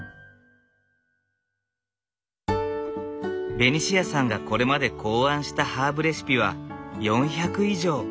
ベニシアさんがこれまで考案したハーブレシピは４００以上。